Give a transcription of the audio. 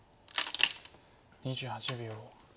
２８秒。